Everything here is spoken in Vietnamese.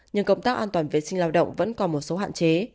nhưng công tác an toàn vệ sinh lao động vẫn còn một số hạn chế